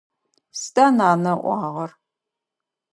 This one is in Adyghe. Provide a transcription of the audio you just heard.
Сыда нанэ ыӏуагъэр?